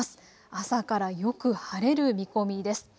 朝からよく晴れる見込みです。